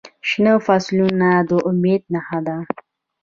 شنه فصلونه د امید نښه ده.